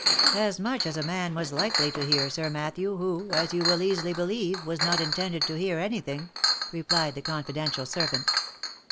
" As much as a man was likely to'hear, Sir Matthew, who, as you will easily believe, was not intended to hear any thing," replied the confidential servant.